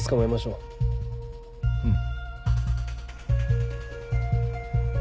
うん。